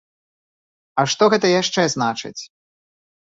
А што гэта яшчэ значыць?